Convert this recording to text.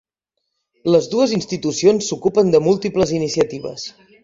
Les dues institucions s'ocupen de múltiples iniciatives.